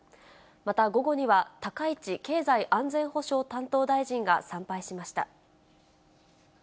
また午後には、高市経済安全保障担当大臣が参拝しました。